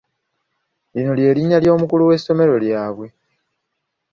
Lino ly’erinnya ly’omukulu w'essomero lyabwe.